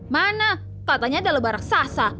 mana katanya adalah baraksasa